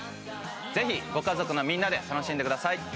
ぜひご家族のみんなで楽しんでください。